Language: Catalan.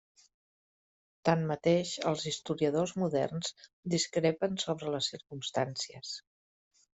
Tanmateix, els historiadors moderns, discrepen sobre les circumstàncies.